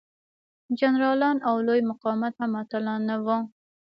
جنرالان او لوی مقامات هم اتلان نه وو.